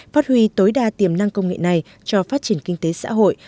phát huy tối đa tiềm năng công nghệ này cho phát triển kinh tế xã hội